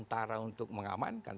tentara untuk mengamankan